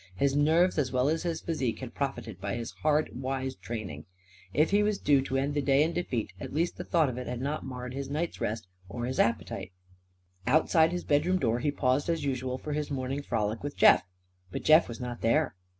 His nerves as well as his physique had profited by his hard and wise training. If he was due to end the day in defeat, at least the thought of it had not marred his night's rest or his appetite. Outside his bedroom door he paused as usual for his morning frolic with Jeff. But Jeff was not there.